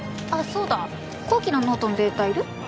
そうだ後期のノートのデータいる？